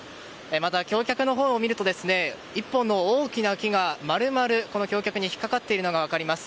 また、橋脚を見ると１本の大きな木が丸々橋脚に引っかかっているのが分かります。